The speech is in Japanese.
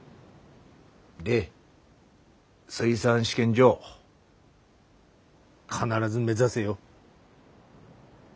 で水産試験場必ず目指せよ。